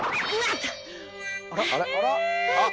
「あっ！」